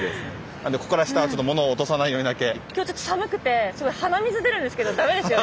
なのでここから下はちょっと物を落とさないようにだけ。今日ちょっと寒くて鼻水出るんですけどだめですよね？